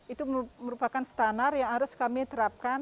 itu merupakan standar yang harus kami terapkan